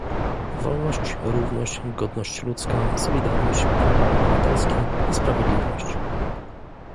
wolność, równość, godność ludzka, solidarność, prawa obywatelskie i sprawiedliwość